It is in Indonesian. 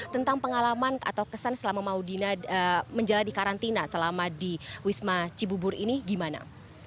tentang pengalaman atau kesan selama maudina menjalani karantina selama di wisma cibubur ini gimana